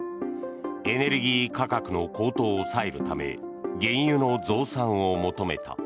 エネルギー価格の高騰を抑えるため原油の増産を求めた。